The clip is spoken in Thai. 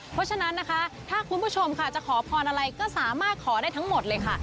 เพราะฉะนั้นนะคะถ้าคุณผู้ชมค่ะจะขอพรอะไรก็สามารถขอได้ทั้งหมดเลยค่ะ